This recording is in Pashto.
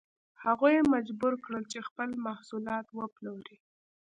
هغوی یې مجبور کړل چې خپل محصولات وپلوري.